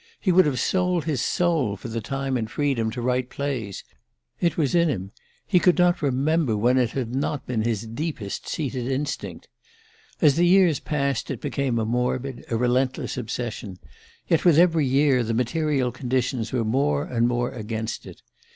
He would have sold his soul for the time and freedom to write plays! It was in him he could not remember when it had not been his deepest seated instinct. As the years passed it became a morbid, a relentless obsession yet with every year the material conditions were more and more against it.